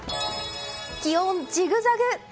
気温ジグザグ。